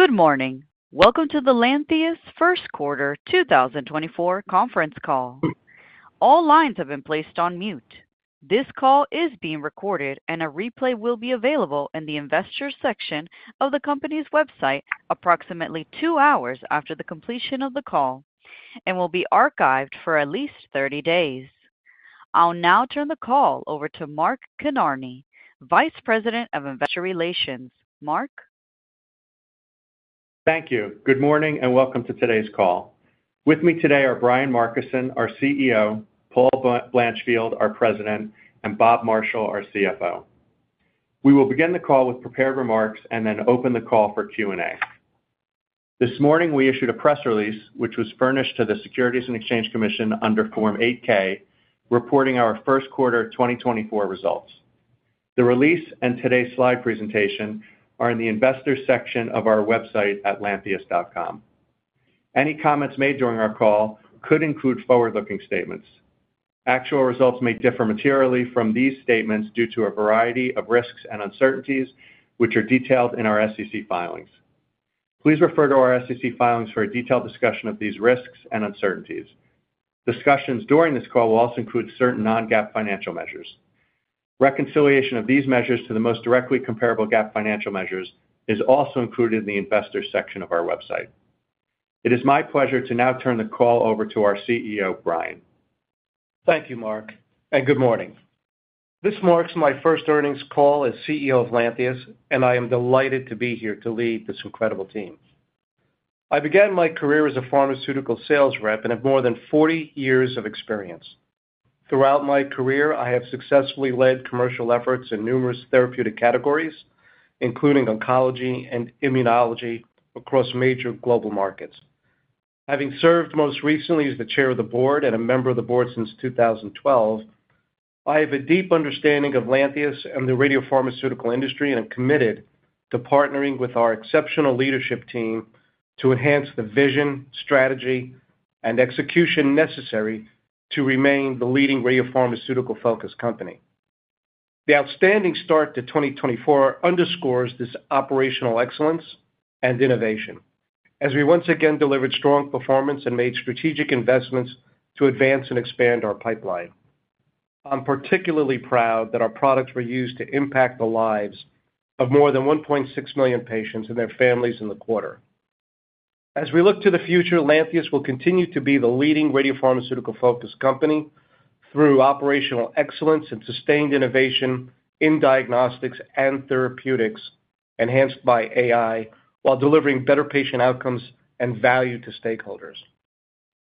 Good morning. Welcome to the Lantheus First Quarter 2024 Conference Call. All lines have been placed on mute. This call is being recorded, and a replay will be available in the investor section of the company's website approximately two hours after the completion of the call, and will be archived for at least 30 days. I'll now turn the call over to Mark Kinarney, Vice President of Investor Relations. Mark? Thank you. Good morning and welcome to today's call. With me today are Brian Markison, our CEO, Paul Blanchfield, our President, and Bob Marshall, our CFO. We will begin the call with prepared remarks and then open the call for Q&A. This morning we issued a press release which was furnished to the Securities and Exchange Commission under Form 8-K, reporting our First Quarter 2024 results. The release and today's slide presentation are in the investor section of our website at lantheus.com. Any comments made during our call could include forward-looking statements. Actual results may differ materially from these statements due to a variety of risks and uncertainties which are detailed in our SEC filings. Please refer to our SEC filings for a detailed discussion of these risks and uncertainties. Discussions during this call will also include certain non-GAAP financial measures. Reconciliation of these measures to the most directly comparable GAAP financial measures is also included in the investor section of our website. It is my pleasure to now turn the call over to our CEO, Brian. Thank you, Mark, and good morning. This marks my first earnings call as CEO of Lantheus, and I am delighted to be here to lead this incredible team. I began my career as a pharmaceutical sales rep and have more than 40 years of experience. Throughout my career, I have successfully led commercial efforts in numerous therapeutic categories, including oncology and immunology, across major global markets. Having served most recently as the chair of the board and a member of the board since 2012, I have a deep understanding of Lantheus and the radiopharmaceutical industry and am committed to partnering with our exceptional leadership team to enhance the vision, strategy, and execution necessary to remain the leading radiopharmaceutical-focused company. The outstanding start to 2024 underscores this operational excellence and innovation as we once again delivered strong performance and made strategic investments to advance and expand our pipeline. I'm particularly proud that our products were used to impact the lives of more than 1.6 million patients and their families in the quarter. As we look to the future, Lantheus will continue to be the leading radiopharmaceutical-focused company through operational excellence and sustained innovation in diagnostics and therapeutics enhanced by AI while delivering better patient outcomes and value to stakeholders.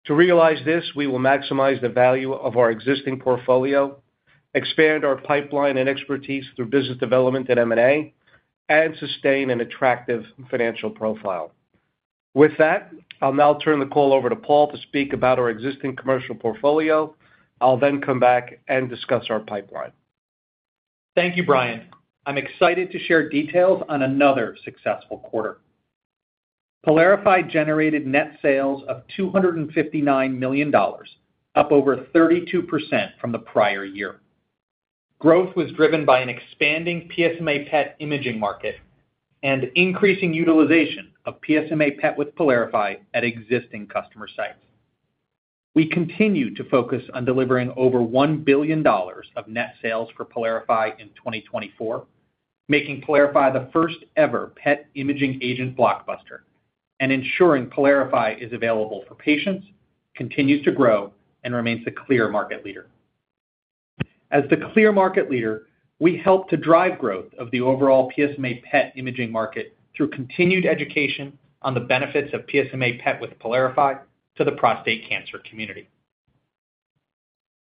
To realize this, we will maximize the value of our existing portfolio, expand our pipeline and expertise through business development and M&A, and sustain an attractive financial profile. With that, I'll now turn the call over to Paul to speak about our existing commercial portfolio. I'll then come back and discuss our pipeline. Thank you, Brian. I'm excited to share details on another successful quarter. PYLARIFY generated net sales of $259 million, up over 32% from the prior year. Growth was driven by an expanding PSMA PET imaging market and increasing utilization of PSMA PET with PYLARIFY at existing customer sites. We continue to focus on delivering over $1 billion of net sales for PYLARIFY in 2024, making PYLARIFY the first-ever PET imaging agent blockbuster, and ensuring PYLARIFY is available for patients, continues to grow, and remains a clear market leader. As the clear market leader, we help to drive growth of the overall PSMA PET imaging market through continued education on the benefits of PSMA PET with PYLARIFY to the prostate cancer community.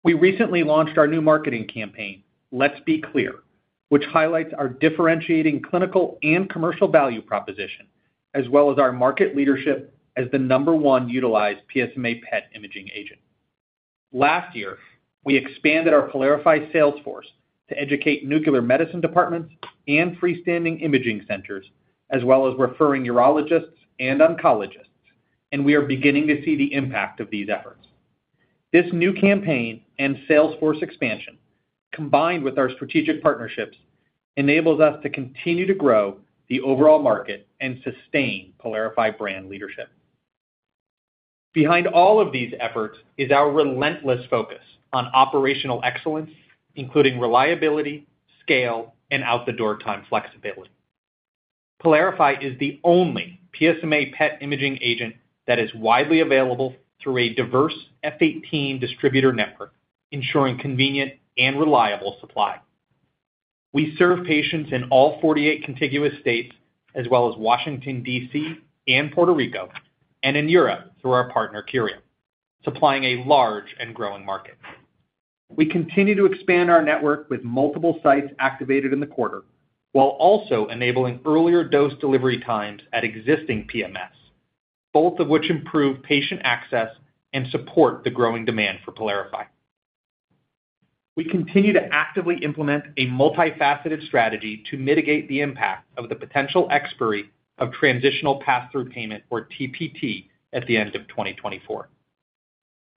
We recently launched our new marketing campaign, Let's Be Clear, which highlights our differentiating clinical and commercial value proposition as well as our market leadership as the number one utilized PSMA PET imaging agent. Last year, we expanded our PYLARIFY sales force to educate nuclear medicine departments and freestanding imaging centers as well as referring urologists and oncologists, and we are beginning to see the impact of these efforts. This new campaign and sales force expansion, combined with our strategic partnerships, enables us to continue to grow the overall market and sustain PYLARIFY brand leadership. Behind all of these efforts is our relentless focus on operational excellence, including reliability, scale, and out-the-door time flexibility. PYLARIFY is the only PSMA PET imaging agent that is widely available through a diverse F 18 distributor network, ensuring convenient and reliable supply. We serve patients in all 48 contiguous states as well as Washington, D.C., and Puerto Rico, and in Europe through our partner, Curium, supplying a large and growing market. We continue to expand our network with multiple sites activated in the quarter while also enabling earlier dose delivery times at existing PMFs, both of which improve patient access and support the growing demand for PYLARIFY. We continue to actively implement a multifaceted strategy to mitigate the impact of the potential expiry of transitional pass-through payment, or TPT, at the end of 2024.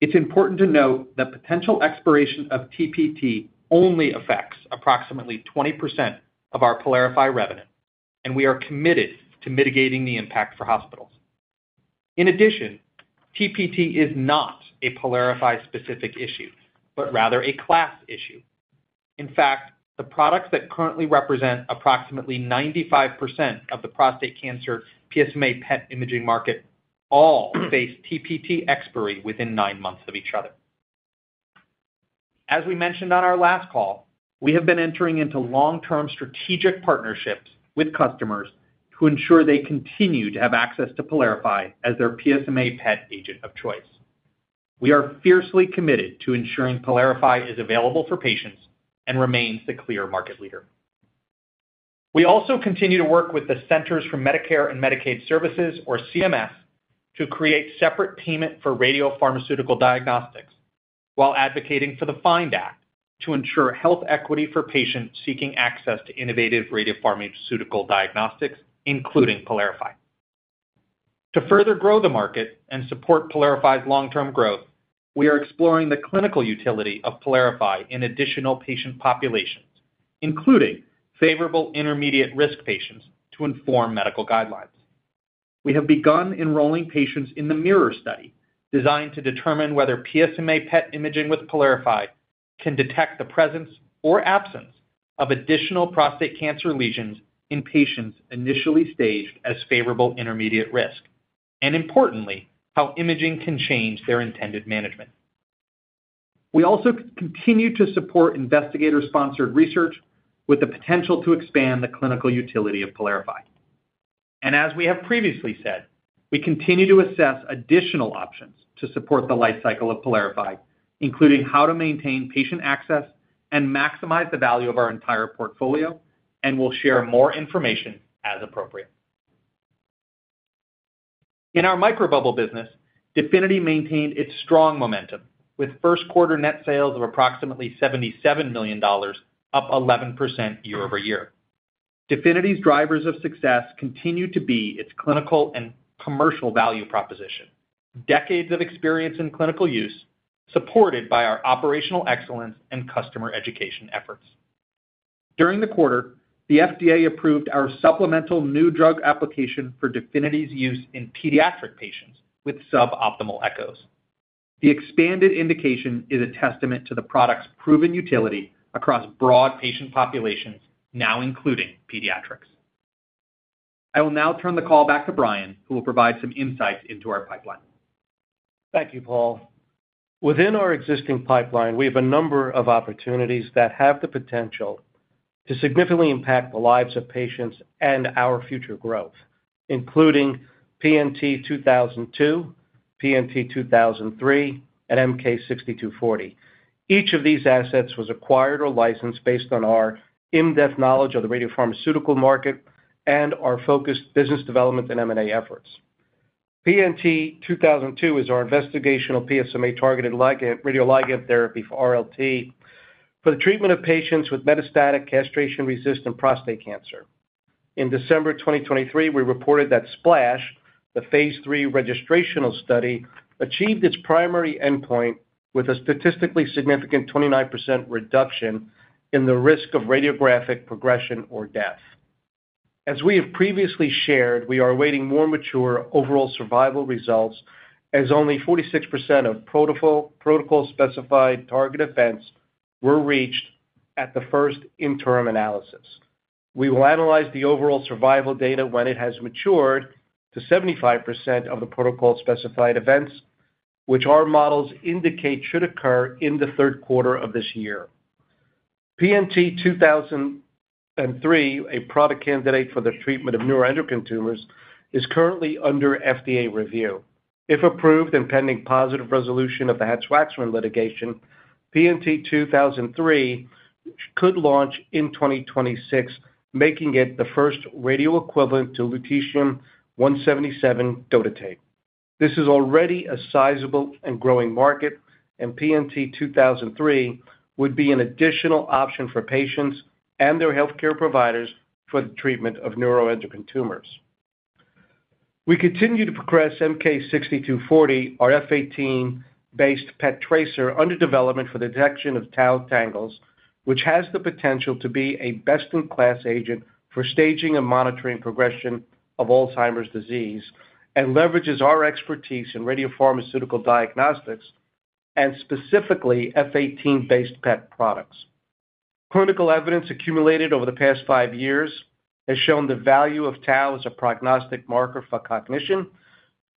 It's important to note that potential expiration of TPT only affects approximately 20% of our PYLARIFY revenue, and we are committed to mitigating the impact for hospitals. In addition, TPT is not a PYLARIFY-specific issue but rather a class issue. In fact, the products that currently represent approximately 95% of the prostate cancer PSMA PET imaging market all face TPT expiry within nine months of each other. As we mentioned on our last call, we have been entering into long-term strategic partnerships with customers to ensure they continue to have access to PYLARIFY as their PSMA PET agent of choice. We are fiercely committed to ensuring PYLARIFY is available for patients and remains the clear market leader. We also continue to work with the Centers for Medicare & Medicaid Services, or CMS, to create separate payment for radiopharmaceutical diagnostics while advocating for the FIND Act to ensure health equity for patients seeking access to innovative radiopharmaceutical diagnostics, including PYLARIFY. To further grow the market and support PYLARIFY's long-term growth, we are exploring the clinical utility of PYLARIFY in additional patient populations, including favorable intermediate-risk patients, to inform medical guidelines. We have begun enrolling patients in the MIRROR study designed to determine whether PSMA PET imaging with PYLARIFY can detect the presence or absence of additional prostate cancer lesions in patients initially staged as favorable intermediate risk, and importantly, how imaging can change their intended management. We also continue to support investigator-sponsored research with the potential to expand the clinical utility of PYLARIFY. As we have previously said, we continue to assess additional options to support the lifecycle of PYLARIFY, including how to maintain patient access and maximize the value of our entire portfolio, and we'll share more information as appropriate. In our microbubble business, DEFINITY maintained its strong momentum with first quarter net sales of approximately $77 million, up 11% year-over-year. DEFINITY's drivers of success continue to be its clinical and commercial value proposition, decades of experience in clinical use supported by our operational excellence and customer education efforts. During the quarter, the FDA approved our Supplemental New Drug Application for DEFINITY's use in pediatric patients with suboptimal echoes. The expanded indication is a testament to the product's proven utility across broad patient populations, now including pediatrics. I will now turn the call back to Brian, who will provide some insights into our pipeline. Thank you, Paul. Within our existing pipeline, we have a number of opportunities that have the potential to significantly impact the lives of patients and our future growth, including PNT2002, PNT2003, and MK-6240. Each of these assets was acquired or licensed based on our in-depth knowledge of the radiopharmaceutical market and our focused business development and M&A efforts. PNT2002 is our investigational PSMA-targeted radioligand therapy for RLT for the treatment of patients with metastatic, castration-resistant prostate cancer. In December 2023, we reported that SPLASH, the phase III registrational study, achieved its primary endpoint with a statistically significant 29% reduction in the risk of radiographic progression or death. As we have previously shared, we are awaiting more mature overall survival results as only 46% of protocol-specified target events were reached at the first interim analysis. We will analyze the overall survival data when it has matured to 75% of the protocol-specified events, which our models indicate should occur in the third quarter of this year. PNT2003, a product candidate for the treatment of neuroendocrine tumors, is currently under FDA review. If approved and pending positive resolution of the Hatch-Waxman litigation, PNT2003 could launch in 2026, making it the first radioequivalent to lutetium-177 dotatate. This is already a sizable and growing market, and PNT2003 would be an additional option for patients and their healthcare providers for the treatment of neuroendocrine tumors. We continue to progress MK-6240, our F 18-based PET tracer under development for the detection of tau tangles, which has the potential to be a best-in-class agent for staging and monitoring progression of Alzheimer's disease and leverages our expertise in radiopharmaceutical diagnostics and specifically F 18-based PET products. Clinical evidence accumulated over the past five years has shown the value of tau as a prognostic marker for cognition,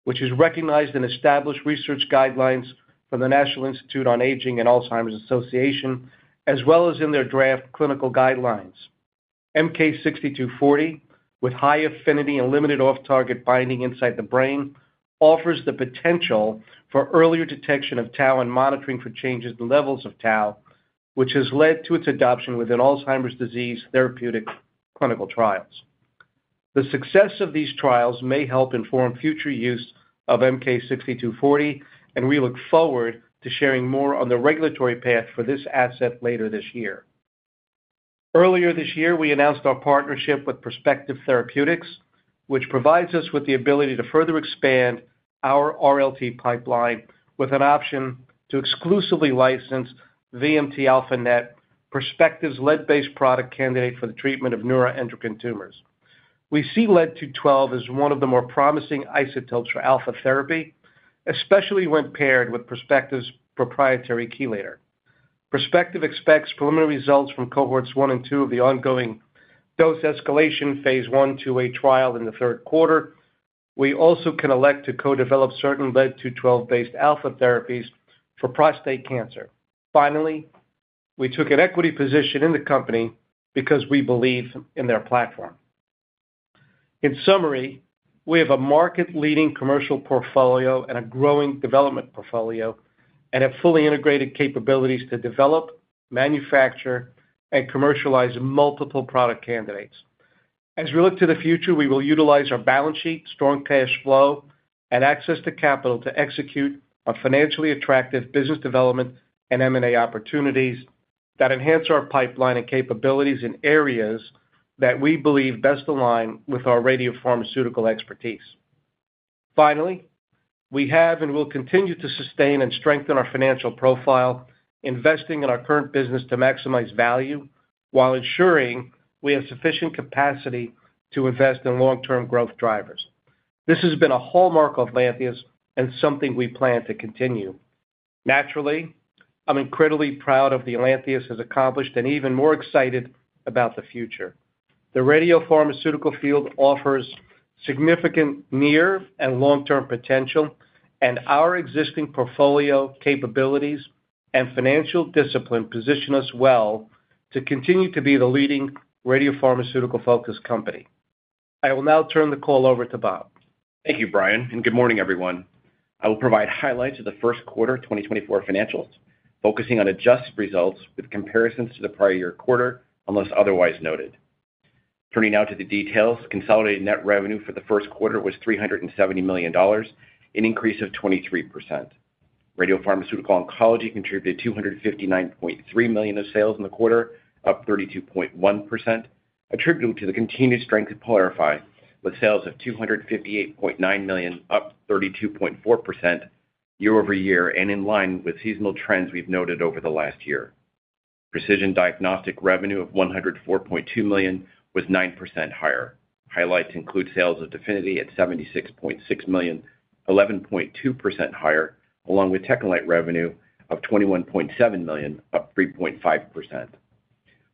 which is recognized in established research guidelines from the National Institute on Aging and Alzheimer's Association as well as in their draft clinical guidelines. MK-6240, with high affinity and limited off-target binding inside the brain, offers the potential for earlier detection of tau and monitoring for changes in levels of tau, which has led to its adoption within Alzheimer's disease therapeutic clinical trials. The success of these trials may help inform future use of MK-6240, and we look forward to sharing more on the regulatory path for this asset later this year. Earlier this year, we announced our partnership with Perspective Therapeutics, which provides us with the ability to further expand our RLT pipeline with an option to exclusively license VMT-α-NET, Perspective Therapeutics' lead-212-based product candidate for the treatment of neuroendocrine tumors. We see lead-212 as one of the more promising isotopes for alpha therapy, especially when paired with Perspective Therapeutics' proprietary chelator. Perspective Therapeutics expects preliminary results from cohorts 1 and 2 of the ongoing dose escalation phase I/II trial in the third quarter. We also can elect to co-develop certain lead-212-based alpha therapies for prostate cancer. Finally, we took an equity position in the company because we believe in their platform. In summary, we have a market-leading commercial portfolio and a growing development portfolio and have fully integrated capabilities to develop, manufacture, and commercialize multiple product candidates. As we look to the future, we will utilize our balance sheet, strong cash flow, and access to capital to execute on financially attractive business development and M&A opportunities that enhance our pipeline and capabilities in areas that we believe best align with our radiopharmaceutical expertise. Finally, we have and will continue to sustain and strengthen our financial profile, investing in our current business to maximize value while ensuring we have sufficient capacity to invest in long-term growth drivers. This has been a hallmark of Lantheus and something we plan to continue. Naturally, I'm incredibly proud of what Lantheus has accomplished and even more excited about the future. The radiopharmaceutical field offers significant near- and long-term potential, and our existing portfolio, capabilities, and financial discipline position us well to continue to be the leading radiopharmaceutical-focused company. I will now turn the call over to Bob. Thank you, Brian, and good morning, everyone. I will provide highlights of the First Quarter 2024 financials, focusing on adjusted results with comparisons to the prior-year quarter unless otherwise noted. Turning now to the details, consolidated net revenue for the First Quarter was $370 million, an increase of 23%. Radiopharmaceutical oncology contributed $259.3 million of sales in the quarter, up 32.1%, attributable to the continued strength of PYLARIFY with sales of $258.9 million, up 32.4% year-over-year and in line with seasonal trends we've noted over the last year. Precision diagnostic revenue of $104.2 million was 9% higher. Highlights include sales of DEFINITY at $76.6 million, 11.2% higher, along with TechneLite revenue of $21.7 million, up 3.5%.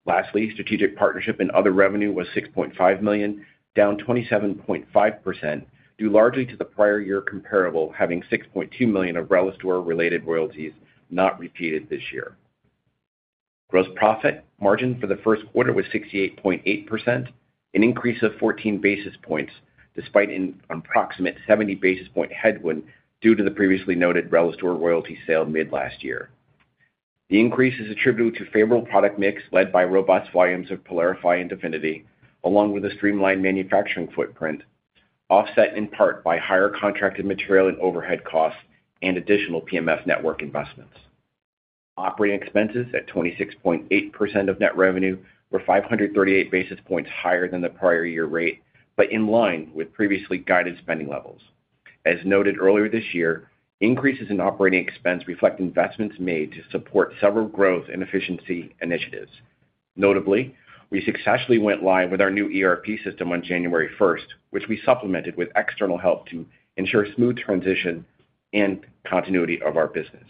Lastly, strategic partnership and other revenue was $6.5 million, down 27.5% due largely to the prior-year comparable, having $6.2 million of RELISTOR-related royalties not repeated this year. Gross profit margin for the first quarter was 68.8%, an increase of 14 basis points despite an approximate 70 basis point headwind due to the previously noted RELISTOR royalty sale mid-last year. The increase is attributable to favorable product mix led by robust volumes of PYLARIFY and DEFINITY, along with a streamlined manufacturing footprint, offset in part by higher contracted material and overhead costs and additional PMF network investments. Operating expenses at 26.8% of net revenue were 538 basis points higher than the prior-year rate but in line with previously guided spending levels. As noted earlier this year, increases in operating expense reflect investments made to support several growth and efficiency initiatives. Notably, we successfully went live with our new ERP system on January 1st, which we supplemented with external help to ensure smooth transition and continuity of our business.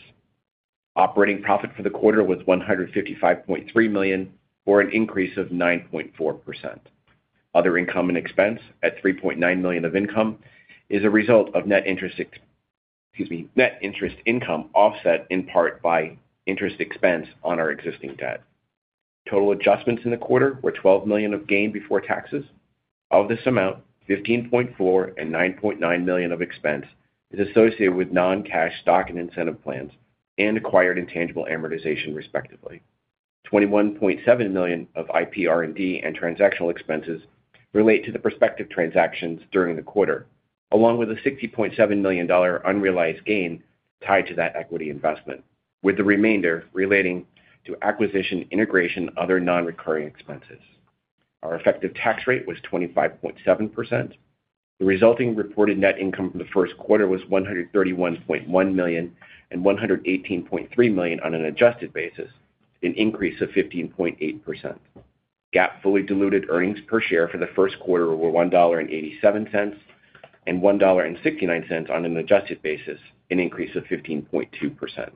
Operating profit for the quarter was $155.3 million, or an increase of 9.4%. Other income and expense at $3.9 million of income is a result of net interest income offset in part by interest expense on our existing debt. Total adjustments in the quarter were $12 million of gain before taxes. Of this amount, $15.4 and $9.9 million of expense is associated with non-cash stock and incentive plans and acquired intangible amortization, respectively. $21.7 million of IPR&D and transactional expenses relate to the Perspective transactions during the quarter, along with a $60.7 million unrealized gain tied to that equity investment, with the remainder relating to acquisition, integration, and other non-recurring expenses. Our effective tax rate was 25.7%. The resulting reported net income for the First Quarter was $131.1 million and $118.3 million on an adjusted basis, an increase of 15.8%. GAAP fully diluted earnings per share for the first quarter were $1.87 and $1.69 on an adjusted basis, an increase of 15.2%.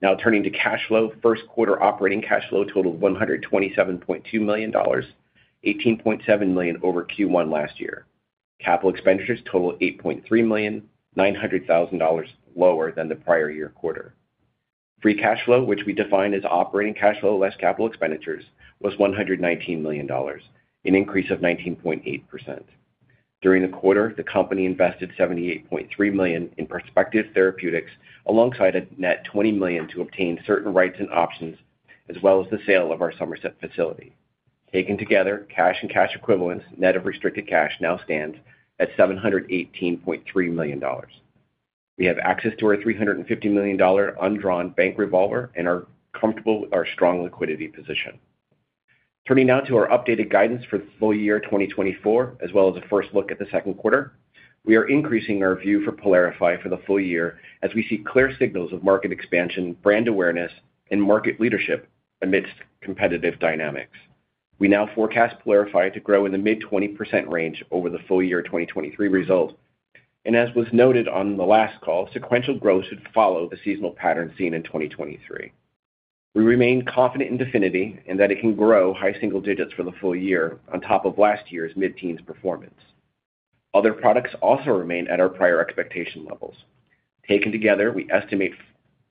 Now, turning to cash flow, first quarter operating cash flow totaled $127.2 million, $18.7 million over Q1 last year. Capital expenditures totaled $8.3 million, $900,000 lower than the prior-year quarter. Free cash flow, which we define as operating cash flow less capital expenditures, was $119 million, an increase of 19.8%. During the quarter, the company invested $78.3 million in Perspective Therapeutics alongside a net $20 million to obtain certain rights and options as well as the sale of our Somerset facility. Taken together, cash and cash equivalents, net of restricted cash, now stands at $718.3 million. We have access to our $350 million undrawn bank revolver and are comfortable with our strong liquidity position. Turning now to our updated guidance for the full year 2024 as well as a first look at the second quarter, we are increasing our view for PYLARIFY for the full year as we see clear signals of market expansion, brand awareness, and market leadership amidst competitive dynamics. We now forecast PYLARIFY to grow in the mid-20% range over the full year 2023 result, and as was noted on the last call, sequential growth should follow the seasonal pattern seen in 2023. We remain confident in DEFINITY and that it can grow high single digits for the full year on top of last year's mid-teens performance. Other products also remain at our prior expectation levels. Taken together, we estimate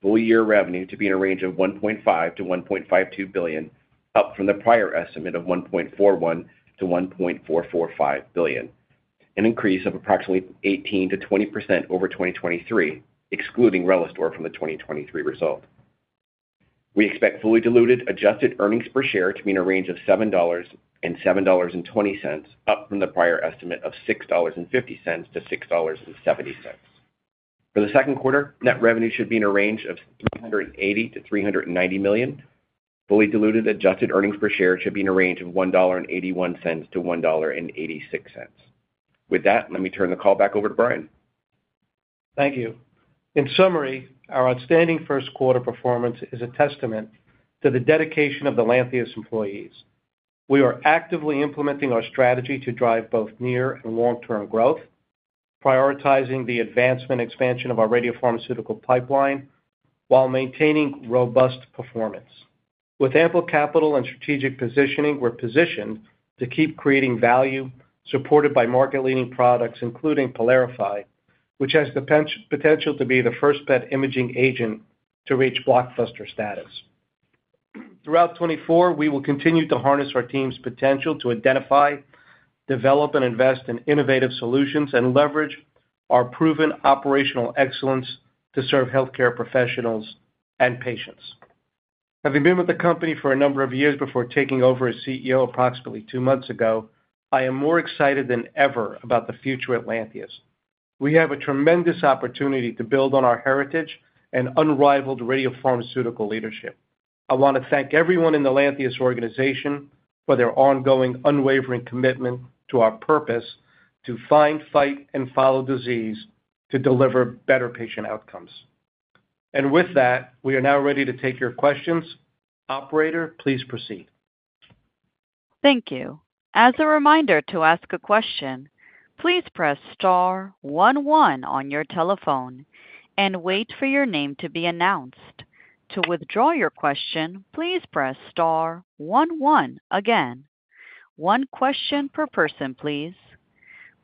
full-year revenue to be in a range of $1.5-$1.52 billion, up from the prior estimate of $1.41-$1.445 billion, an increase of approximately 18%-20% over 2023, excluding RELISTOR from the 2023 result. We expect fully diluted adjusted earnings per share to be in a range of $7-$7.20, up from the prior estimate of $6.50-$6.70. For the second quarter, net revenue should be in a range of $380-$390 million. Fully diluted adjusted earnings per share should be in a range of $1.81-$1.86. With that, let me turn the call back over to Brian. Thank you. In summary, our outstanding first quarter performance is a testament to the dedication of the Lantheus employees. We are actively implementing our strategy to drive both near and long-term growth, prioritizing the advancement and expansion of our radiopharmaceutical pipeline while maintaining robust performance. With ample capital and strategic positioning, we're positioned to keep creating value supported by market-leading products including PYLARIFY, which has the potential to be the first PET imaging agent to reach blockbuster status. Throughout 2024, we will continue to harness our team's potential to identify, develop, and invest in innovative solutions and leverage our proven operational excellence to serve healthcare professionals and patients. Having been with the company for a number of years before taking over as CEO approximately two months ago, I am more excited than ever about the future at Lantheus. We have a tremendous opportunity to build on our heritage and unrivaled radiopharmaceutical leadership. I want to thank everyone in the Lantheus organization for their ongoing, unwavering commitment to our purpose to find, fight, and follow disease to deliver better patient outcomes. And with that, we are now ready to take your questions. Operator, please proceed. Thank you. As a reminder to ask a question, please press star one one on your telephone and wait for your name to be announced. To withdraw your question, please press star one one again. One question per person, please.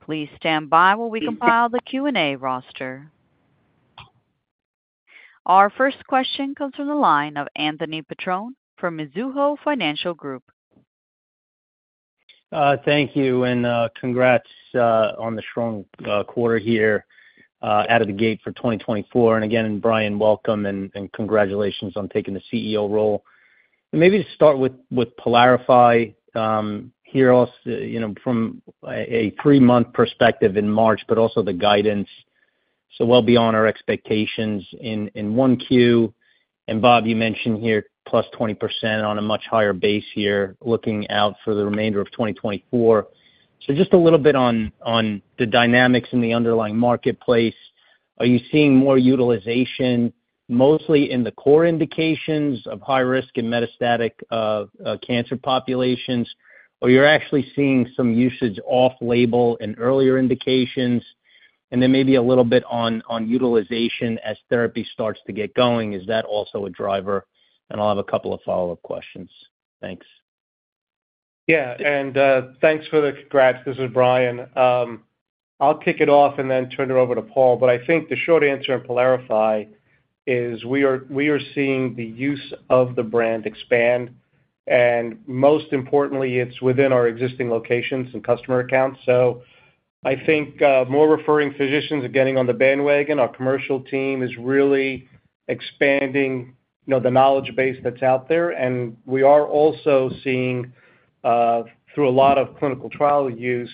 Please stand by while we compile the Q&A roster. Our first question comes from the line of Anthony Petrone from Mizuho Financial Group. Thank you and congrats on the strong quarter here out of the gate for 2024. Again, Brian, welcome and congratulations on taking the CEO role. Maybe to start with PYLARIFY here, from a three-month perspective in March but also the guidance, so well beyond our expectations in Q1. Bob, you mentioned here +20% on a much higher base here looking out for the remainder of 2024. Just a little bit on the dynamics in the underlying marketplace. Are you seeing more utilization mostly in the core indications of high-risk and metastatic cancer populations, or you're actually seeing some usage off-label in earlier indications? Then maybe a little bit on utilization as therapy starts to get going. Is that also a driver? I'll have a couple of follow-up questions. Thanks. Yeah, and thanks for the congrats. This is Brian. I'll kick it off and then turn it over to Paul. But I think the short answer on PYLARIFY is we are seeing the use of the brand expand. And most importantly, it's within our existing locations and customer accounts. So I think more referring physicians are getting on the bandwagon. Our commercial team is really expanding the knowledge base that's out there. And we are also seeing, through a lot of clinical trial use,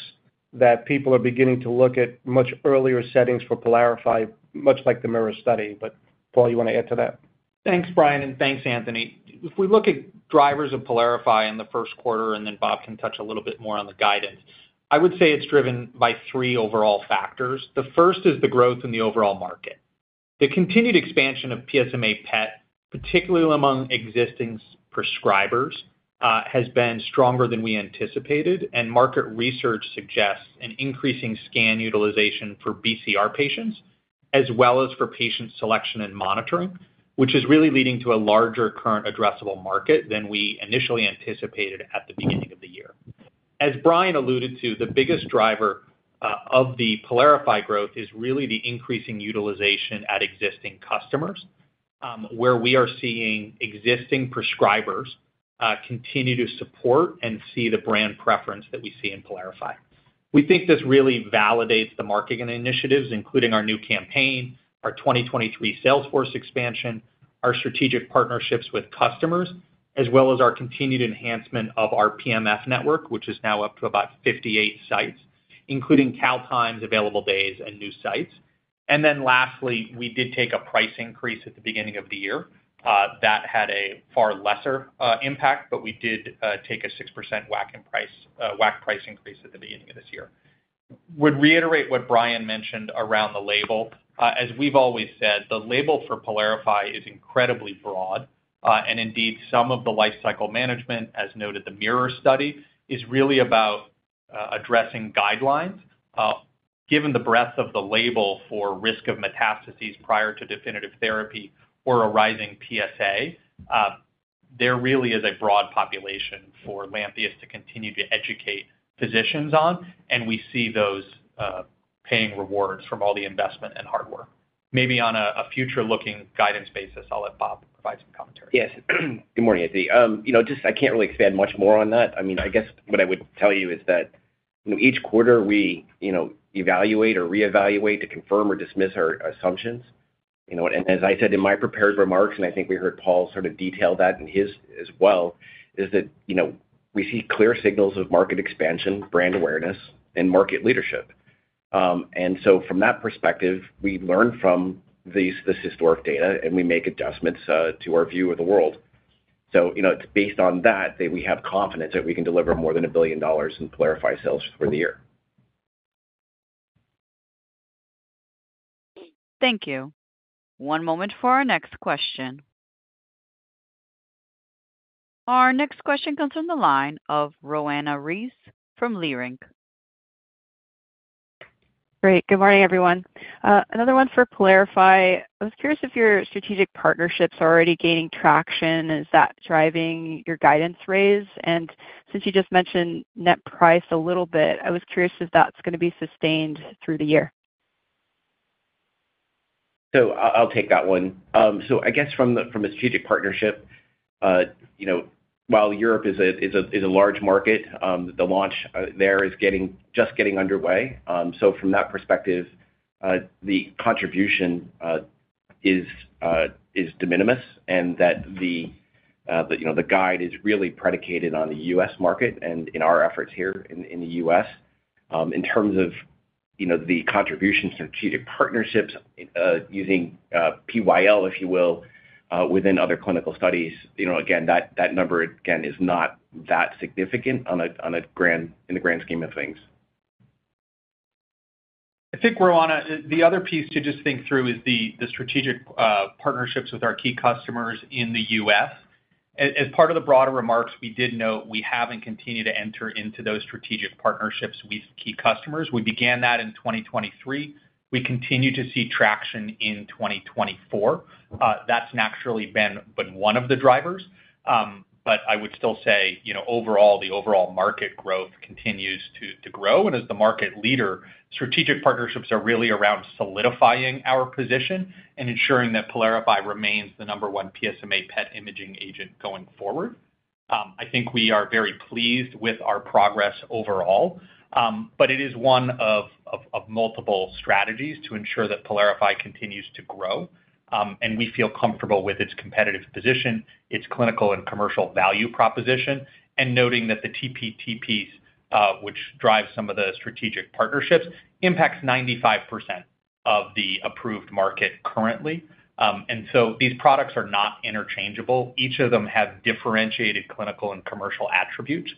that people are beginning to look at much earlier settings for PYLARIFY, much like the MIRROR study. But Paul, you want to add to that? Thanks, Brian, and thanks, Anthony. If we look at drivers of PYLARIFY in the First Quarter, and then Bob can touch a little bit more on the guidance, I would say it's driven by three overall factors. The first is the growth in the overall market. The continued expansion of PSMA PET, particularly among existing prescribers, has been stronger than we anticipated. Market research suggests an increasing scan utilization for BCR patients as well as for patient selection and monitoring, which is really leading to a larger current addressable market than we initially anticipated at the beginning of the year. As Brian alluded to, the biggest driver of the PYLARIFY growth is really the increasing utilization at existing customers, where we are seeing existing prescribers continue to support and see the brand preference that we see in PYLARIFY. We think this really validates the marketing initiatives, including our new campaign, our 2023 sales force expansion, our strategic partnerships with customers, as well as our continued enhancement of our PMF network, which is now up to about 58 sites, including California sites available days and new sites. Then lastly, we did take a price increase at the beginning of the year. That had a far lesser impact, but we did take a 6% WAC price increase at the beginning of this year. I would reiterate what Brian mentioned around the label. As we've always said, the label for PYLARIFY is incredibly broad. Indeed, some of the lifecycle management, as noted in the MIRROR study, is really about addressing guidelines. Given the breadth of the label for risk of metastases prior to definitive therapy or a rising PSA, there really is a broad population for Lantheus to continue to educate physicians on, and we see those paying rewards from all the investment and hard work. Maybe on a future-looking guidance basis, I'll let Bob provide some commentary. Yes. Good morning, Anthony. I can't really expand much more on that. I mean, I guess what I would tell you is that each quarter, we evaluate or reevaluate to confirm or dismiss our assumptions. And as I said in my prepared remarks, and I think we heard Paul sort of detail that in his as well, is that we see clear signals of market expansion, brand awareness, and market leadership. And so from that perspective, we learn from this historic data, and we make adjustments to our view of the world. So it's based on that that we have confidence that we can deliver more than $1 billion in PYLARIFY sales for the year. Thank you. One moment for our next question. Our next question comes from the line of Roanna Ruiz from Leerink Partners. Great. Good morning, everyone. Another one for PYLARIFY. I was curious if your strategic partnerships are already gaining traction. Is that driving your guidance raise? And since you just mentioned net price a little bit, I was curious if that's going to be sustained through the year. So I'll take that one. So I guess from a strategic partnership, while Europe is a large market, the launch there is just getting underway. So from that perspective, the contribution is de minimis and that the guide is really predicated on the U.S. market and in our efforts here in the U.S. In terms of the contribution strategic partnerships using PYLARIFY, if you will, within other clinical studies, again, that number, again, is not that significant in the grand scheme of things. I think, Roanna Ruiz, the other piece to just think through is the strategic partnerships with our key customers in the US. As part of the broader remarks, we did note we haven't continued to enter into those strategic partnerships with key customers. We began that in 2023. We continue to see traction in 2024. That's naturally been one of the drivers. But I would still say overall, the overall market growth continues to grow. As the market leader, strategic partnerships are really around solidifying our position and ensuring that PYLARIFY remains the number one PSMA PET imaging agent going forward. I think we are very pleased with our progress overall. But it is one of multiple strategies to ensure that PYLARIFY continues to grow. We feel comfortable with its competitive position, its clinical and commercial value proposition, and noting that the TPT piece, which drives some of the strategic partnerships, impacts 95% of the approved market currently. So these products are not interchangeable. Each of them has differentiated clinical and commercial attributes.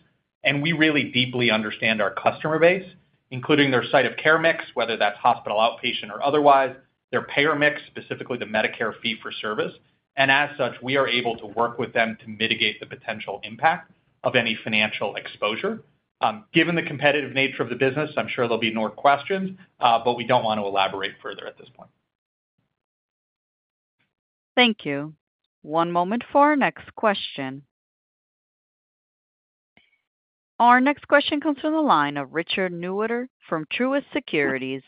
We really deeply understand our customer base, including their site of care mix, whether that's hospital outpatient or otherwise, their payer mix, specifically the Medicare fee-for-service. As such, we are able to work with them to mitigate the potential impact of any financial exposure. Given the competitive nature of the business, I'm sure there'll be more questions, but we don't want to elaborate further at this point. Thank you. One moment for our next question. Our next question comes from the line of Richard Newitter from Truist Securities.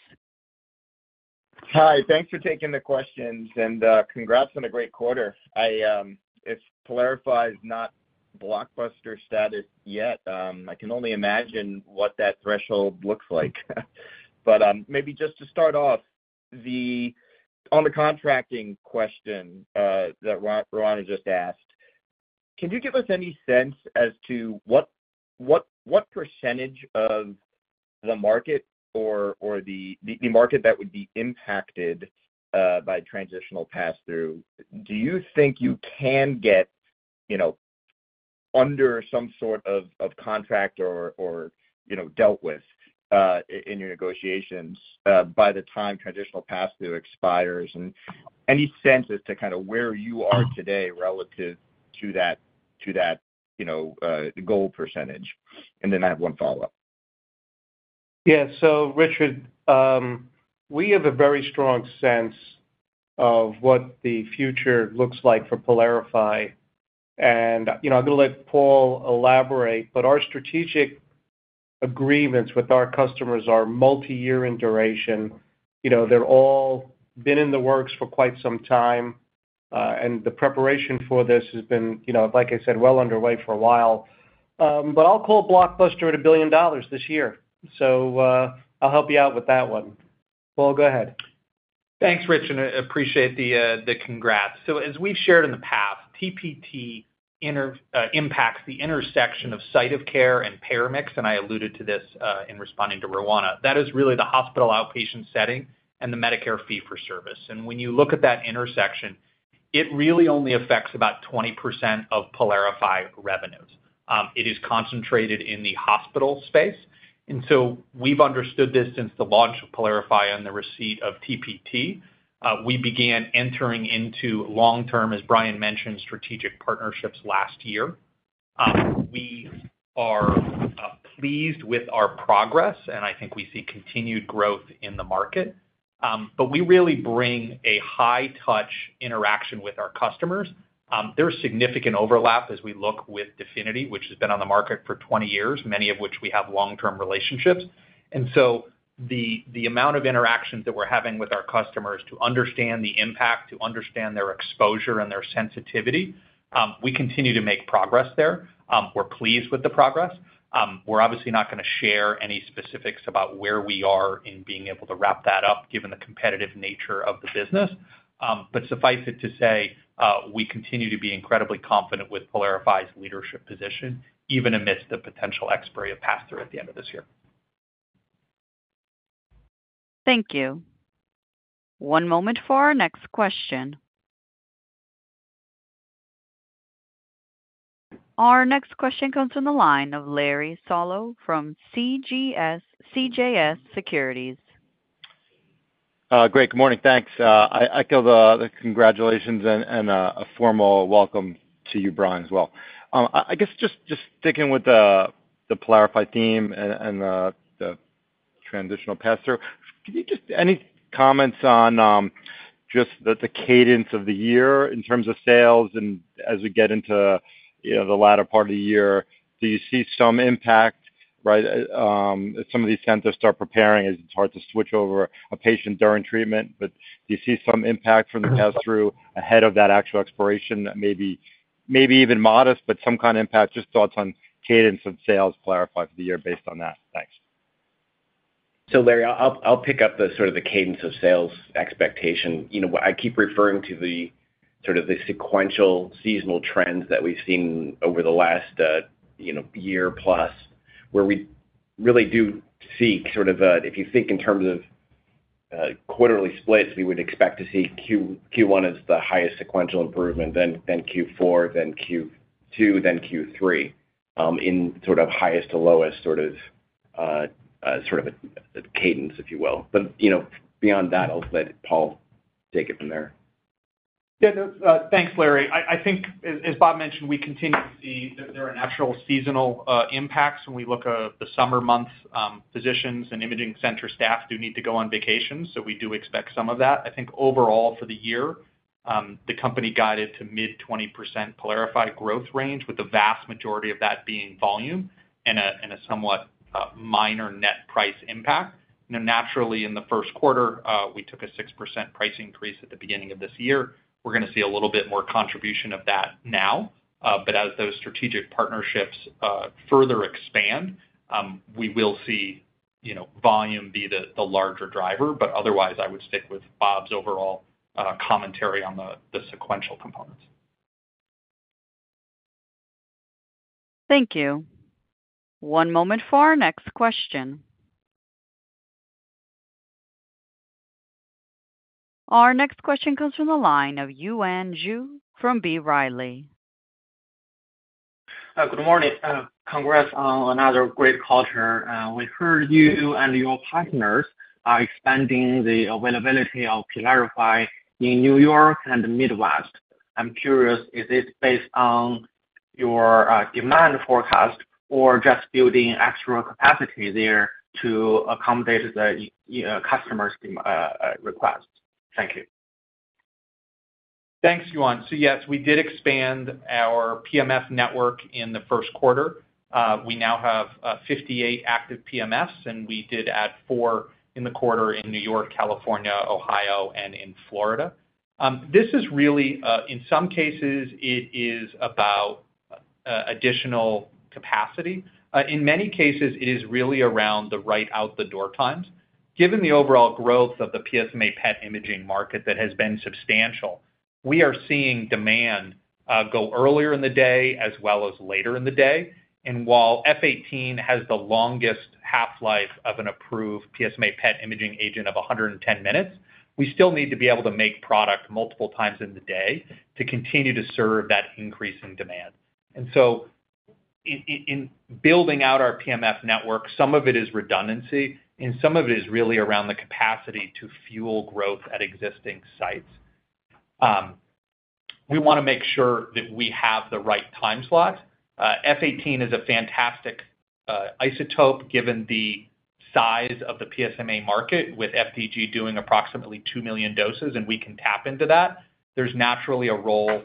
Hi. Thanks for taking the questions, and congrats on a great quarter. If PYLARIFY is not blockbuster status yet, I can only imagine what that threshold looks like. Maybe just to start off, on the contracting question that Roanna just asked, can you give us any sense as to what percentage of the market or the market that would be impacted by transitional pass-through, do you think you can get under some sort of contract or dealt with in your negotiations by the time transitional pass-through expires? And any sense as to kind of where you are today relative to that goal percentage? And then I have one follow-up. Yeah. So, Richard, we have a very strong sense of what the future looks like for PYLARIFY. And I'm going to let Paul elaborate. But our strategic agreements with our customers are multiyear in duration. They've all been in the works for quite some time. And the preparation for this has been, like I said, well underway for a while. But I'll call blockbuster at $1 billion this year. So I'll help you out with that one. Paul, go ahead. Thanks, Rich, and I appreciate the congrats. So as we've shared in the past, TPT impacts the intersection of site of care and payer mix. And I alluded to this in responding to Roanna Ruiz. That is really the hospital outpatient setting and the Medicare fee-for-service. And when you look at that intersection, it really only affects about 20% of PYLARIFY revenues. It is concentrated in the hospital space. And so we've understood this since the launch of PYLARIFY and the receipt of TPT. We began entering into long-term, as Brian mentioned, strategic partnerships last year. We are pleased with our progress, and I think we see continued growth in the market. But we really bring a high-touch interaction with our customers. There's significant overlap as we look with DEFINITY, which has been on the market for 20 years, many of which we have long-term relationships. And so the amount of interactions that we're having with our customers to understand the impact, to understand their exposure and their sensitivity, we continue to make progress there. We're pleased with the progress. We're obviously not going to share any specifics about where we are in being able to wrap that up given the competitive nature of the business. But suffice it to say, we continue to be incredibly confident with PYLARIFY's leadership position, even amidst the potential expiry of pass-through at the end of this year. Thank you. One moment for our next question. Our next question comes from the line of Larry Solow from CJS Securities. Great. Good morning. Thanks. I feel the congratulations and a formal welcome to you, Brian, as well. I guess just sticking with the PYLARIFY theme and the Transitional Pass-Through, any comments on just the cadence of the year in terms of sales? And as we get into the latter part of the year, do you see some impact, right? As some of these centers start preparing, it's hard to switch over a patient during treatment. But do you see some impact from the pass-through ahead of that actual expiration, maybe even modest, but some kind of impact? Just thoughts on cadence of sales PYLARIFY for the year based on that. Thanks. So, Larry, I'll pick up sort of the cadence of sales expectation. I keep referring to sort of the sequential seasonal trends that we've seen over the last year-plus, where we really do see sort of if you think in terms of quarterly splits, we would expect to see Q1 as the highest sequential improvement, then Q4, then Q2, then Q3 in sort of highest to lowest sort of cadence, if you will. But beyond that, I'll let Paul take it from there. Yeah. Thanks, Larry. I think, as Bob mentioned, we continue to see there are natural seasonal impacts. When we look at the summer months, physicians and imaging center staff do need to go on vacation, so we do expect some of that. I think overall for the year, the company guided to mid-20% PYLARIFY growth range, with the vast majority of that being volume and a somewhat minor net price impact. Naturally, in the first quarter, we took a 6% price increase at the beginning of this year. We're going to see a little bit more contribution of that now. But as those strategic partnerships further expand, we will see volume be the larger driver. But otherwise, I would stick with Bob's overall commentary on the sequential components. Thank you. One moment for our next question. Our next question comes from the line of Yuan Zhi from B. Riley. Good morning. Congrats on another great call here. We heard you and your partners expanding the availability of PYLARIFY in New York and the Midwest. I'm curious, is this based on your demand forecast or just building extra capacity there to accommodate the customer's request? Thank you. Thanks, Yuan. So yes, we did expand our PMF network in the first quarter. We now have 58 active PMFs, and we did add four in the quarter in New York, California, Ohio, and in Florida. In some cases, it is about additional capacity. In many cases, it is really around the right-out-the-door times. Given the overall growth of the PSMA PET imaging market that has been substantial, we are seeing demand go earlier in the day as well as later in the day. And while F 18 has the longest half-life of an approved PSMA PET imaging agent of 110 minutes, we still need to be able to make product multiple times in the day to continue to serve that increasing demand. And so in building out our PMF network, some of it is redundancy, and some of it is really around the capacity to fuel growth at existing sites. We want to make sure that we have the right time slots. F 18 is a fantastic isotope given the size of the PSMA market, with FDG doing approximately two million doses, and we can tap into that. There's naturally a role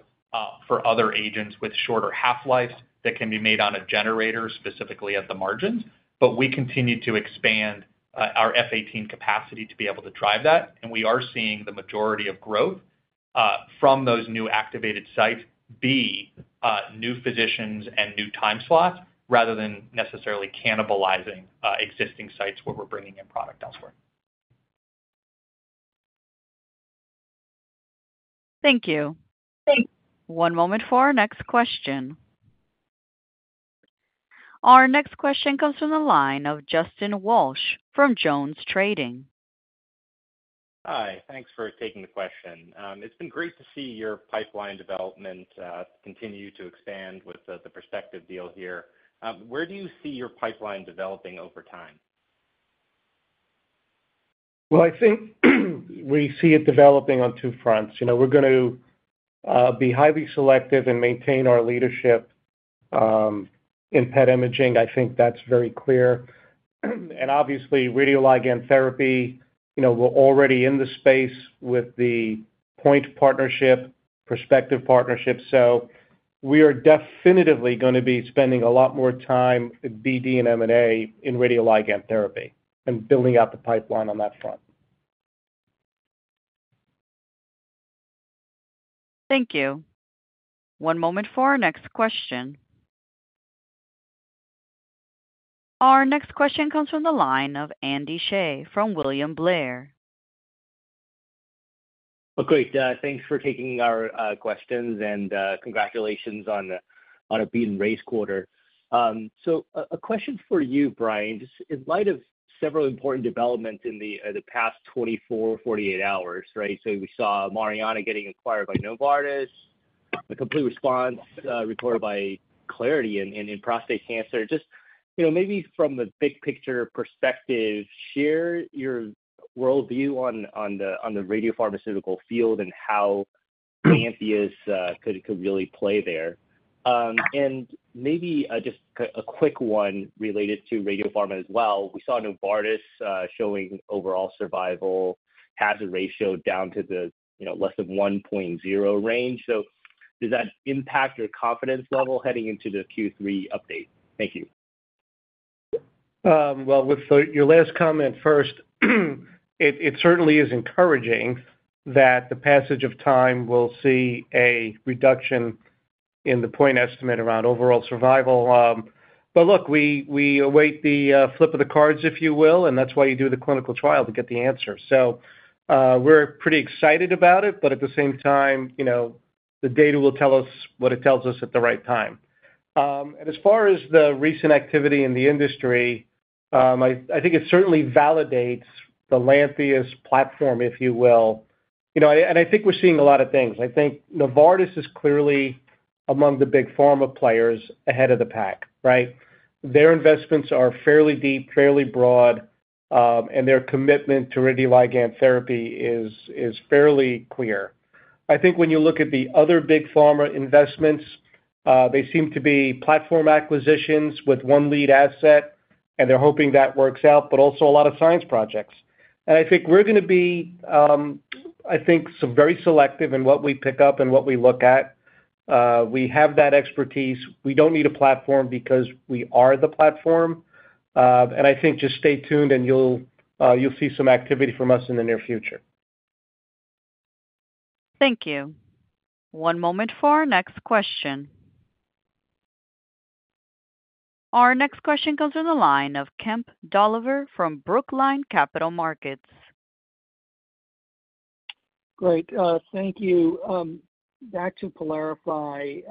for other agents with shorter half-lives that can be made on a generator, specifically at the margins. But we continue to expand our F 18 capacity to be able to drive that. And we are seeing the majority of growth from those new activated sites be new physicians and new time slots rather than necessarily cannibalizing existing sites where we're bringing in product elsewhere. Thank you. One moment for our next question. Our next question comes from the line of Justin Walsh from JonesTrading. Hi. Thanks for taking the question. It's been great to see your pipeline development continue to expand with the Perspective Therapeutics deal here. Where do you see your pipeline developing over time? Well, I think we see it developing on two fronts. We're going to be highly selective and maintain our leadership in PET imaging. I think that's very clear. And obviously, radioligand therapy, we're already in the space with the POINT partnership, Perspective partnership. So we are definitively going to be spending a lot more time, BD and M&A, in radioligand therapy and building out the pipeline on that front. Thank you. One moment for our next question. Our next question comes from the line of Andy Hsieh from William Blair. Well, great. Thanks for taking our questions, and congratulations on a beat-and-raise quarter. So a question for you, Brian. In light of several important developments in the past 24, 48 hours, right? So we saw Mariana Oncology getting acquired by Novartis, a complete response reported by Clarity Pharmaceuticals in prostate cancer. Just maybe from the big-picture perspective, share your worldview on the radiopharmaceutical field and how Lantheus could really play there. And maybe just a quick one related to radiopharma as well. We saw Novartis showing overall survival hazard ratio down to the less-than-1.0 range. So does that impact your confidence level heading into the Q3 update? Thank you. Well, with your last comment first, it certainly is encouraging that the passage of time will see a reduction in the point estimate around overall survival. But look, we await the flip of the cards, if you will, and that's why you do the clinical trial, to get the answer. So we're pretty excited about it. But at the same time, the data will tell us what it tells us at the right time. And as far as the recent activity in the industry, I think it certainly validates the Lantheus platform, if you will. And I think we're seeing a lot of things. I think Novartis is clearly among the big pharma players ahead of the pack, right? Their investments are fairly deep, fairly broad, and their commitment to radioligand therapy is fairly clear. I think when you look at the other big pharma investments, they seem to be platform acquisitions with one lead asset, and they're hoping that works out, but also a lot of science projects. I think we're going to be, I think, very selective in what we pick up and what we look at. We have that expertise. We don't need a platform because we are the platform. I think just stay tuned, and you'll see some activity from us in the near future. Thank you. One moment for our next question. Our next question comes from the line of Kemp Dolliver from Brookline Capital Markets. Great. Thank you. Back to PYLARIFY.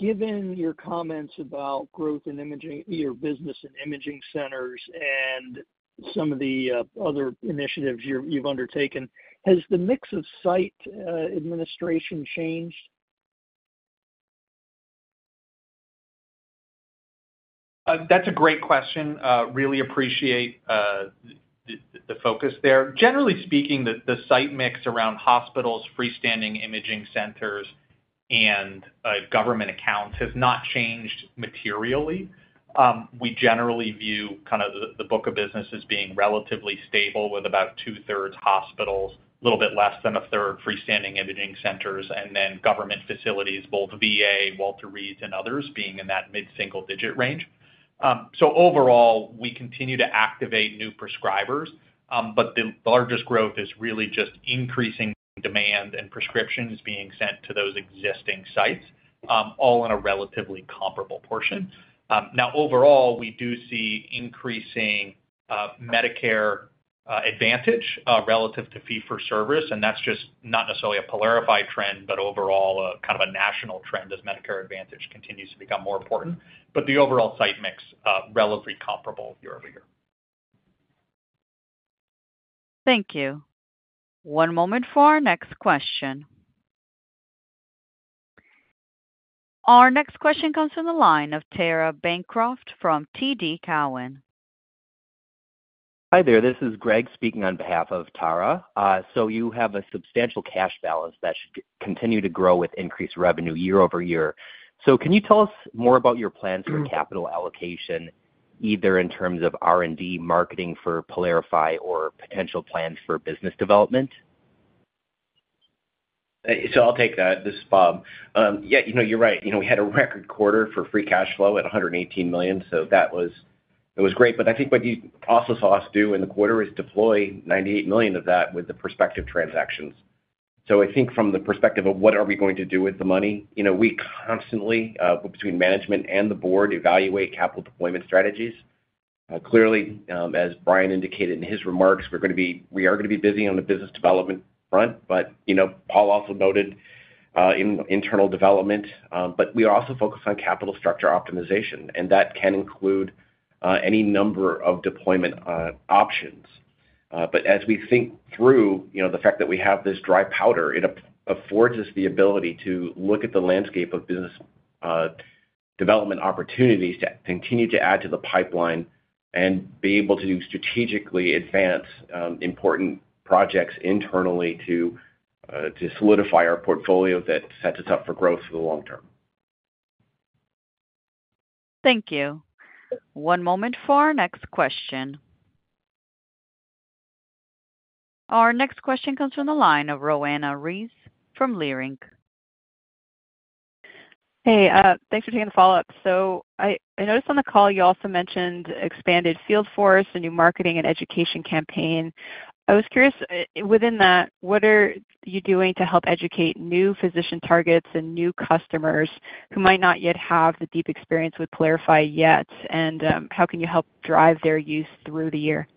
Given your comments about growth in your business and imaging centers and some of the other initiatives you've undertaken, has the mix of site administration changed? That's a great question. Really appreciate the focus there. Generally speaking, the site mix around hospitals, freestanding imaging centers, and government accounts has not changed materially. We generally view kind of the book of business as being relatively stable, with about two-thirds hospitals, a little bit less than a third freestanding imaging centers, and then government facilities, both VA, Walter Reed, and others, being in that mid-single-digit range. So overall, we continue to activate new prescribers, but the largest growth is really just increasing demand and prescriptions being sent to those existing sites, all in a relatively comparable portion. Now, overall, we do see increasing Medicare Advantage relative to fee-for-service. And that's just not necessarily a PYLARIFY trend, but overall, kind of a national trend as Medicare Advantage continues to become more important. But the overall site mix is relatively comparable year-over-year. Thank you. One moment for our next question. Our next question comes from the line of Tara Bancroft from TD Cowen. Hi there. This is Greg speaking on behalf of Tara. So you have a substantial cash balance that should continue to grow with increased revenue year-over-year. So can you tell us more about your plans for capital allocation, either in terms of R&D, marketing for PYLARIFY, or potential plans for business development? So I'll take that. This is Bob. Yeah, you're right. We had a record quarter for free cash flow at $118 million, so that was great. But I think what you also saw us do in the quarter is deploy $98 million of that with the Perspective Therapeutics transactions. So I think from the perspective of what are we going to do with the money, we constantly, between management and the board, evaluate capital deployment strategies. Clearly, as Brian indicated in his remarks, we are going to be busy on the business development front. But Paul also noted internal development. But we also focus on capital structure optimization, and that can include any number of deployment options. But as we think through the fact that we have this dry powder, it affords us the ability to look at the landscape of business development opportunities to continue to add to the pipeline and be able to strategically advance important projects internally to solidify our portfolio that sets us up for growth for the long term. Thank you. One moment for our next question. Our next question comes from the line of Roanna Ruiz from Leerink. Hey. Thanks for taking the follow-up. So I noticed on the call, you also mentioned expanded field force, a new marketing and education campaign. I was curious, within that, what are you doing to help educate new physician targets and new customers who might not yet have the deep experience with PYLARIFY yet? And how can you help drive their use through the year?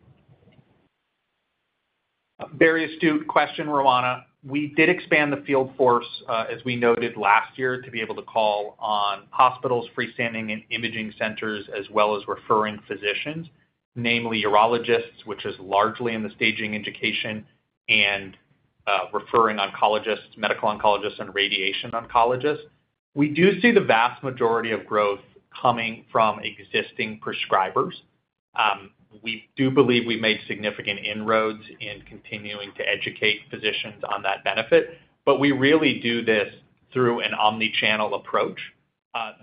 Very astute question, Roanna. We did expand the field force, as we noted last year, to be able to call on hospitals, freestanding imaging centers, as well as referring physicians, namely urologists, which is largely in the staging education, and referring medical oncologists and radiation oncologists. We do see the vast majority of growth coming from existing prescribers. We do believe we've made significant inroads in continuing to educate physicians on that benefit. But we really do this through an omnichannel approach.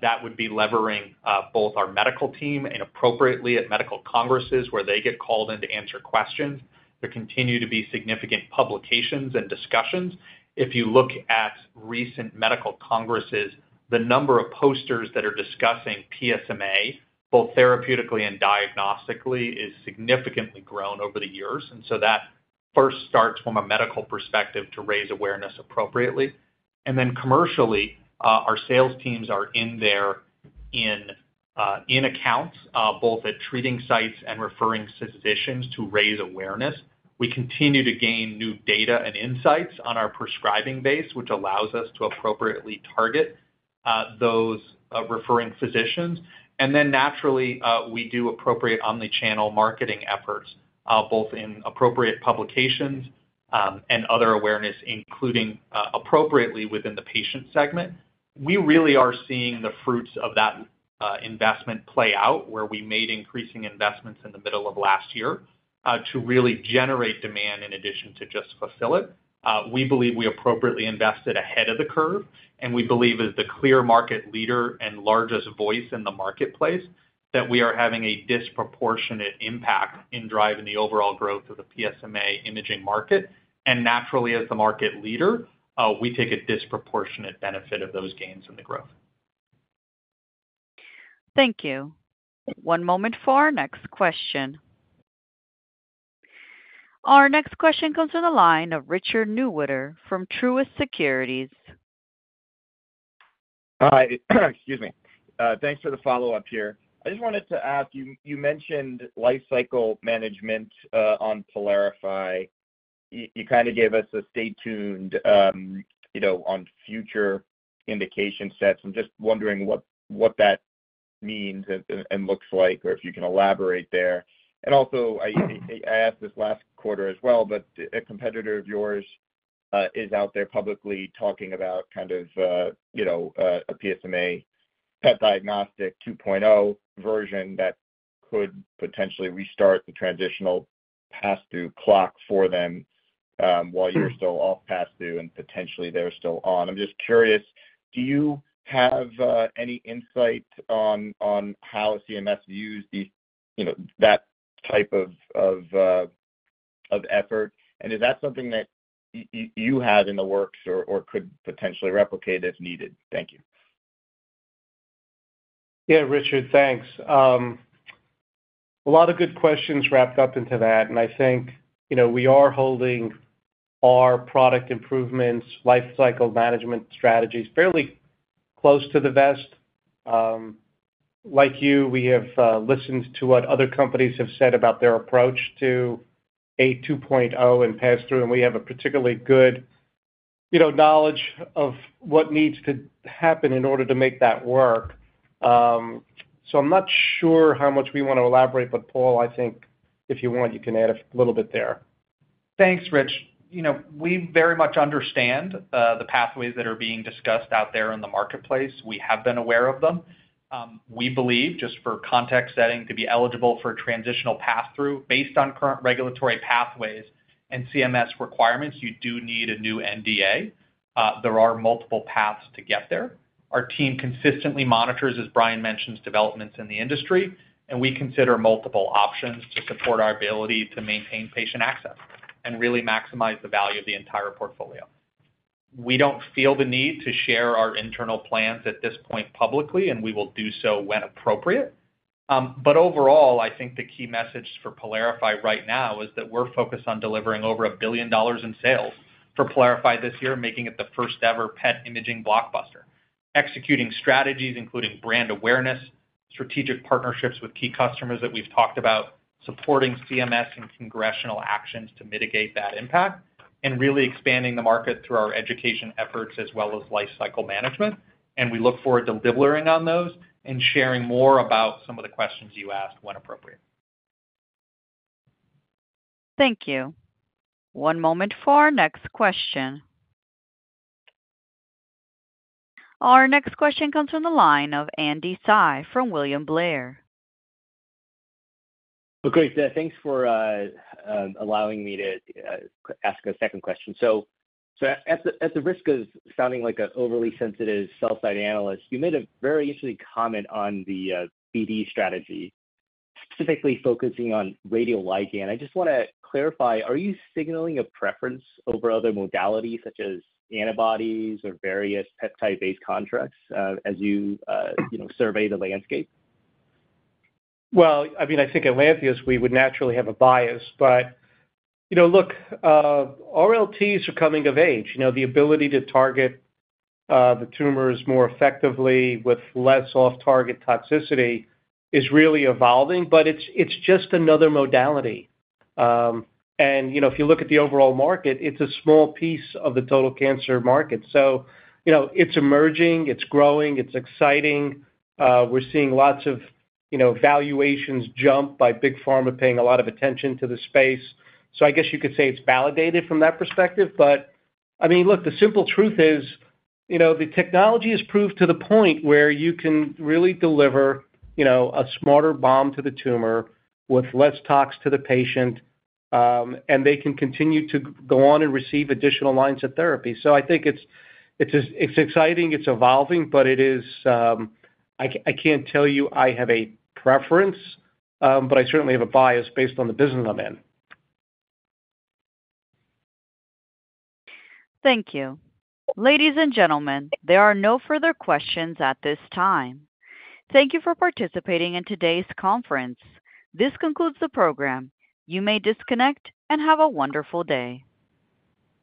That would be leveraging both our medical team and appropriately at medical congresses where they get called in to answer questions. There continue to be significant publications and discussions. If you look at recent medical congresses, the number of posters that are discussing PSMA, both therapeutically and diagnostically, is significantly grown over the years. And so that first starts from a medical perspective to raise awareness appropriately. And then commercially, our sales teams are in there in accounts, both at treating sites and referring physicians, to raise awareness. We continue to gain new data and insights on our prescribing base, which allows us to appropriately target those referring physicians. And then naturally, we do appropriate omnichannel marketing efforts, both in appropriate publications and other awareness, including appropriately within the patient segment. We really are seeing the fruits of that investment play out, where we made increasing investments in the middle of last year to really generate demand in addition to just fulfill it. We believe we appropriately invested ahead of the curve. And we believe, as the clear market leader and largest voice in the marketplace, that we are having a disproportionate impact in driving the overall growth of the PSMA imaging market. Naturally, as the market leader, we take a disproportionate benefit of those gains in the growth. Thank you. One moment for our next question. Our next question comes from the line of Richard Newitter from Truist Securities. Hi. Excuse me. Thanks for the follow-up here. I just wanted to ask, you mentioned lifecycle management on PYLARIFY. You kind of gave us a stay tuned on future indication sets. I'm just wondering what that means and looks like, or if you can elaborate there. And also, I asked this last quarter as well, but a competitor of yours is out there publicly talking about kind of a PSMA PET diagnostic 2.0 version that could potentially restart the transitional pass-through clock for them while you're still off pass-through and potentially they're still on. I'm just curious, do you have any insight on how CMS views that type of effort? And is that something that you have in the works or could potentially replicate if needed? Thank you. Yeah, Richard, thanks. A lot of good questions wrapped up into that. And I think we are holding our product improvements, lifecycle management strategies, fairly close to the vest. Like you, we have listened to what other companies have said about their approach to a 2.0 and pass-through. And we have a particularly good knowledge of what needs to happen in order to make that work. So I'm not sure how much we want to elaborate, but Paul, I think if you want, you can add a little bit there. Thanks, Rich. We very much understand the pathways that are being discussed out there in the marketplace. We have been aware of them. We believe, just for context setting, to be eligible for transitional pass-through based on current regulatory pathways and CMS requirements, you do need a new NDA. There are multiple paths to get there. Our team consistently monitors, as Brian mentions, developments in the industry. We consider multiple options to support our ability to maintain patient access and really maximize the value of the entire portfolio. We don't feel the need to share our internal plans at this point publicly, and we will do so when appropriate. Overall, I think the key message for PYLARIFY right now is that we're focused on delivering over $1 billion in sales for PYLARIFY this year, making it the first-ever PET imaging blockbuster, executing strategies including brand awareness, strategic partnerships with key customers that we've talked about, supporting CMS and congressional actions to mitigate that impact, and really expanding the market through our education efforts as well as lifecycle management. We look forward to elaborating on those and sharing more about some of the questions you asked when appropriate. Thank you. One moment for our next question. Our next question comes from the line of Andy Hsieh from William Blair. Oh, great. Thanks for allowing me to ask a second question. So at the risk of sounding like an overly sensitive sell-side analyst, you made a very interesting comment on the BD strategy, specifically focusing on radioligand. I just want to clarify, are you signaling a preference over other modalities such as antibodies or various peptide-based constructs as you survey the landscape? Well, I mean, I think at Lantheus, we would naturally have a bias. But look, RLTs are coming of age. The ability to target the tumors more effectively with less off-target toxicity is really evolving, but it's just another modality. And if you look at the overall market, it's a small piece of the total cancer market. So it's emerging. It's growing. It's exciting. We're seeing lots of valuations jump by big pharma paying a lot of attention to the space. So I guess you could say it's validated from that perspective. But I mean, look, the simple truth is the technology has proved to the point where you can really deliver a smarter bomb to the tumor with less tox to the patient, and they can continue to go on and receive additional lines of therapy. So I think it's exciting. It's evolving, but I can't tell you I have a preference, but I certainly have a bias based on the business I'm in. Thank you. Ladies and gentlemen, there are no further questions at this time. Thank you for participating in today's conference. This concludes the program. You may disconnect and have a wonderful day.